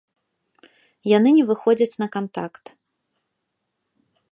Яны не выходзяць на кантакт.